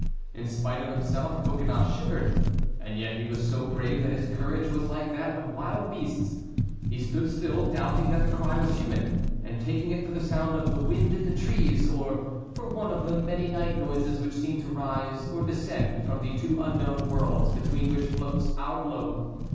In spite of himself Coconnas shivered; and yet he was so brave that his courage was like that of wild beasts. He stood still, doubting that the cry was human, and taking it for the sound of the wind in the trees or for one of the many night noises which seem to rise or descend from the two unknown worlds between which floats our globe.